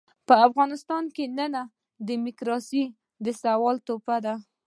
په افغانستان کې ننۍ ډيموکراسي د سوال تحفه ده.